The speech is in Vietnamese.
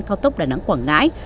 cao tốc đà nẵng quảng ngãi